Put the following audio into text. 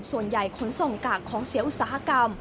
ส่วนใหญ่ขนส่งกากของเสียอุตสาหกรรม